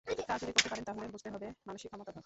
তা যদি করতে পারেন তাহলে বুঝতে হবে মানুষই ক্ষমতাধর।